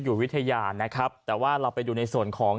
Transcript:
อยู่วิทยานะครับแต่ว่าเราไปดูในส่วนของ